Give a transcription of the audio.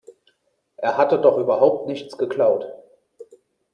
Er hatte doch überhaupt nichts geklaut.